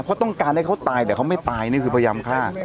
เพราะต้องการให้เขาตายแต่เขาไม่ตายนี่คือพยายามฆ่า